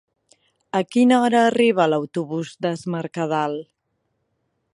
A quina hora arriba l'autobús d'Es Mercadal?